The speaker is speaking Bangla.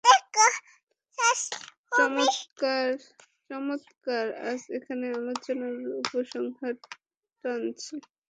চমৎকার, আজ এখানেই আলোচনার উপসংহার টানছি।